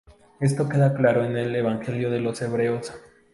Esto queda claro en el Evangelio de los hebreos.